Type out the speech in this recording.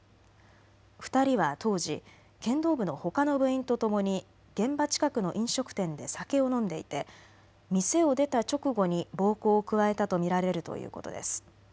２人は当時、剣道部のほかの部員とともに現場近くの飲食店で酒を飲んでいて店を出た直後に暴行を加えたと見られるということです。